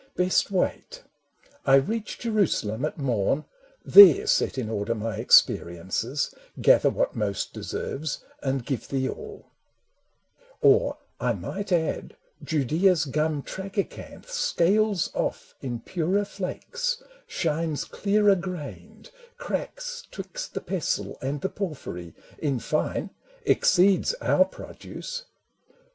Best wait : I reach Jerusalem at morn, There set in order my experiences, Gather what most deserves, and give thee all — Or I might add, Judaea's gum tragacanth Scales off in purer flakes, shines clearer grained, Cracks 'twixt the pestle and the porphyry, In fine exceeds our produce.